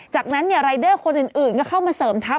จากนั้นรายเดอร์คนอื่นก็เข้ามาเสริมทัพ